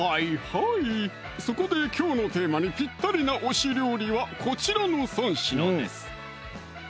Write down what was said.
はいそこできょうのテーマにぴったりな推し料理はこちらの３品です